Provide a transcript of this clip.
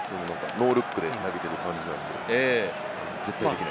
ノールックで投げてる感じなんで。